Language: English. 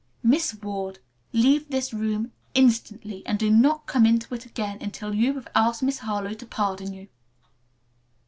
"Miss Ward, leave this room instantly, and do not come into it again until you have asked Miss Harlowe to pardon you."